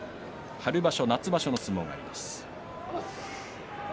春場所、夏場所の相撲があります。